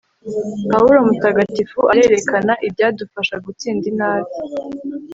pawulo mutagatifu arerekana ibyadufasha gutsinda inabi